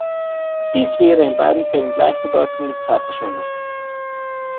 Dies wäre in beiden Fällen gleichbedeutend mit Zeitverschwendung.